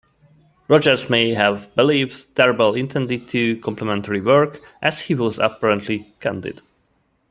Rogers may have believed Tarbell intended a complimentary work, as he was apparently candid.